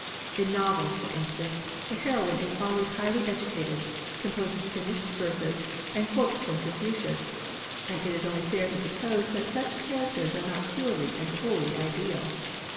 In novels, for instance, the heroine is always higlily educated — composes finished verses, and quotes from Confucius ; and it is only fair to suppose that such characters are not purely and wholly ideal.